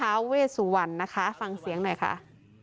ท้าเวสุวรรณนะคะฟังเสียงหน่อยค่ะ